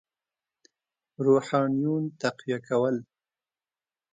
روحانیون تقویه کول.